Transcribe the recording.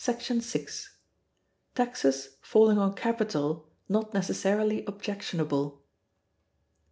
Taxes falling on Capital not necessarily objectionable.